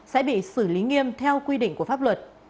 sẽ bị xử lý nghiêm theo quy định của pháp luật